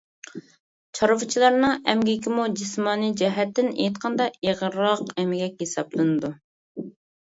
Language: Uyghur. چارۋىچىلارنىڭ ئەمگىكىمۇ جىسمانىي جەھەتتىن ئېيتقاندا، ئېغىرراق ئەمگەك ھېسابلىنىدۇ.